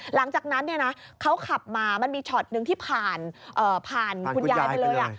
หลังจากนั้นเนี่ยนะเขาขับมามันมีช็อตนึงที่ผ่านคุณยายไปเลย